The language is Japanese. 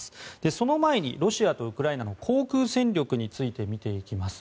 その前に、ロシアとウクライナの航空戦力について見ていきます。